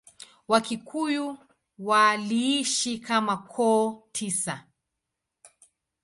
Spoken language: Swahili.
Wakikuyu waliishi kama koo tisa.